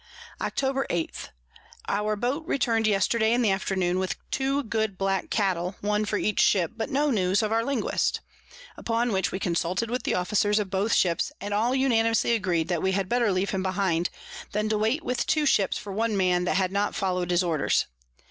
Octob. 8. Our Boat return'd yesterday in the Afternoon with two good black Cattel, one for each Ship, but no News of our Linguist; upon which we consulted with the Officers of both Ships, and all unanimously agreed, that we had better leave him behind, than to wait with two Ships for one Man that had not follow'd his Orders.